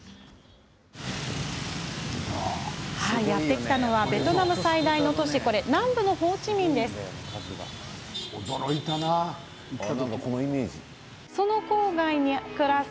やって来たのはベトナム最大の都市南部のホーチミンです。